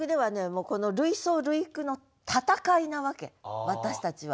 もうこの類想類句の戦いなわけ私たちは。